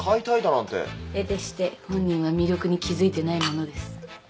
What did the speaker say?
得てして本人は魅力に気付いてないものです。